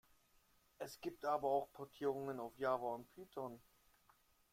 Es gibt aber auch Portierungen auf Java und Python.